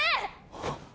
あっ。